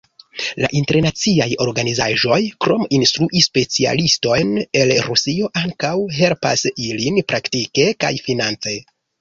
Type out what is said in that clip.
La internaciaj organizaĵoj, krom instrui specialistojn el Rusio, ankaŭ helpas ilin praktike kaj finance.